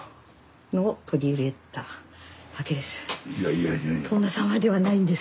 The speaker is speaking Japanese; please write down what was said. のを取り入れたわけです。